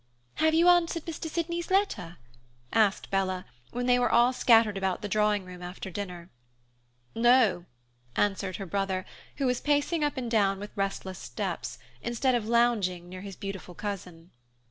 "Have you answered Mr. Sydney's letter?" asked Bella, when they were all scattered about the drawing room after dinner. "No," answered her brother, who was pacing up and down with restless steps, instead of lounging near his beautiful cousin.